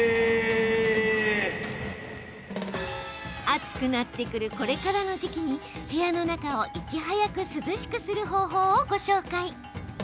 暑くなってくるこれからの時期に部屋の中をいち早く涼しくする方法をご紹介。